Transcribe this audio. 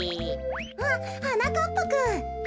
あっはなかっぱくん。